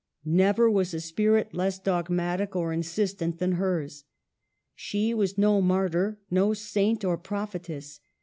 Never was a spirit less dogmatic or insistent than hers. She was no martyr, no saint or prophetess.